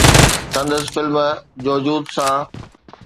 سندس فلم ”جوجود“ سان